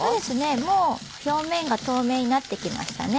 もう表面が透明になってきましたね。